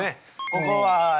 ここはな。